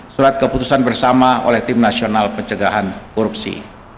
surat keputusan bersama oleh tim nasional pencegahan korupsi